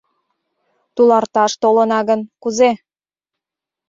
Туларташ толына гын, кузе?